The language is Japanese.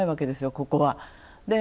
ここは。